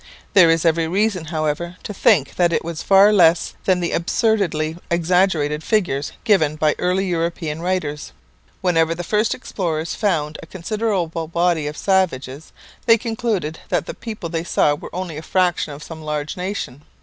There is every reason, however, to think that it was far less than the absurdly exaggerated figures given by early European writers. Whenever the first explorers found a considerable body of savages they concluded that the people they saw were only a fraction of some large nation.